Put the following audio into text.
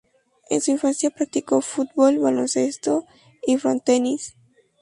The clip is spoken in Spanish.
En su infancia practicó fútbol, baloncesto y frontenis.